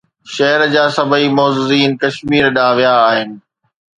شهر جا سڀئي معززين ڪشمير ڏانهن ويا آهن